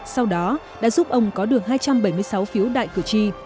sau đó đã giúp ông có được hai trăm bảy mươi sáu phiếu đại cử tri